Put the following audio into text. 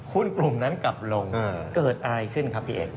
หุ้นกลุ่มนั้นกลับลงเกิดอะไรขึ้นครับพี่เอก